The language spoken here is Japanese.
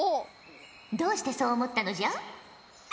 どうしてそう思ったのじゃ？